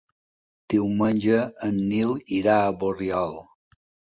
Diumenge en Nil irà a Borriol.